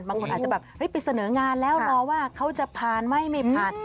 บางคนอาจจะแบบไปเสนองานแล้วรอว่าเขาจะผ่านไหมไม่ผ่าน